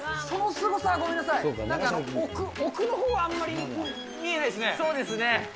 そのすごさは、ごめんなさい、なんか奥のほうはあんまり見えなそうですね。